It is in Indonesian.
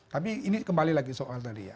tapi ini kembali lagi soal tadi ya